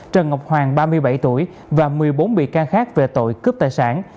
trần ngọc hoàng ba mươi bảy tuổi và một mươi bốn bị can khác về tội cướp tài sản